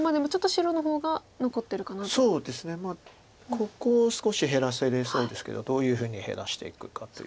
ここ少し減らせれそうですけどどういうふうに減らしていくかという。